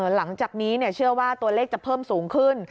หลังจากนี้เชื่อว่าตัวเลขจะเพิ่มสูงขึ้น